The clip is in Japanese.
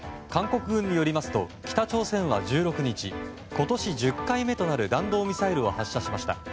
韓国軍によりますと北朝鮮は１６日今年１０回目となる弾道ミサイルを発射しました。